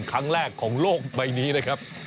ครั้งแรกของโลกใบนี้นะครับ